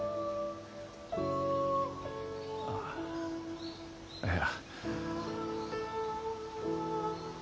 ああいや。